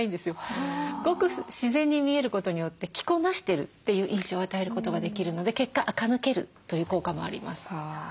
ごく自然に見えることによって着こなしてるという印象を与えることができるので結果あか抜けるという効果もあります。